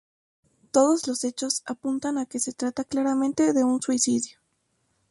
Todos los hechos apuntan a que se trata claramente de un suicidio.